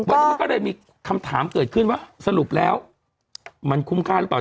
วันนี้มันก็เลยมีคำถามเกิดขึ้นว่าสรุปแล้วมันคุ้มค่าหรือเปล่า